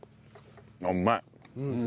うまい。